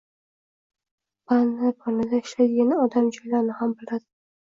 Pana-panada ishlaydigan odmi joylarni ham biladi.